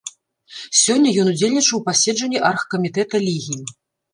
Сёння ён удзельнічаў у паседжанні аргкамітэта лігі.